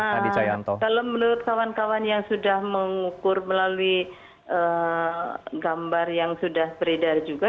kalau menurut kawan kawan yang sudah mengukur melalui gambar yang sudah beredar juga